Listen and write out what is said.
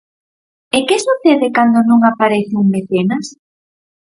É que sucede cando non aparece un "mecenas"?